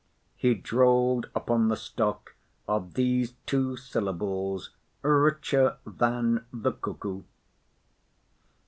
He drolled upon the stock of these two syllables richer than the cuckoo.